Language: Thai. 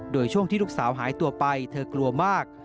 โดยช่วงที่ลูกสาวหายตัวไปเธอกลัวมาก